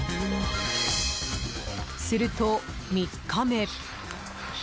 すると、３日目。